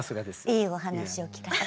いいお話を聞かせて。